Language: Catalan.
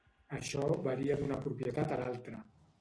Això varia d'una propietat a l'altra.